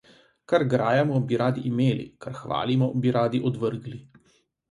Kar grajamo, bi radi imeli, kar hvalimo, bi radi odvrgli.